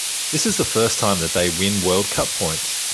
This is the first time that they win World Cup points.